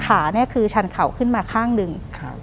ขาเนี่ยคือชันเข่าขึ้นมาข้างหนึ่ง